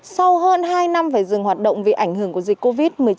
sau hơn hai năm phải dừng hoạt động vì ảnh hưởng của dịch covid một mươi chín